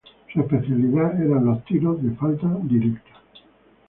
Su especialidad eran los tiros de falta directa.